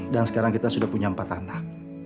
dan sekarang kita sudah punya empat anak